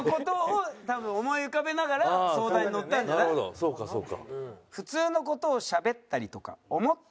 そうかそうか。